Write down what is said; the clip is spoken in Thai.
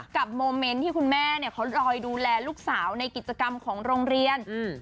โมเมนต์ที่คุณแม่เนี่ยเขาลอยดูแลลูกสาวในกิจกรรมของโรงเรียนอืม